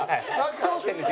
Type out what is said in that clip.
『笑点』です